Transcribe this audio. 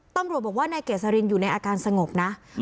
ต้องบอกว่านายเกษลินอยู่ในอาการสงบนะอืม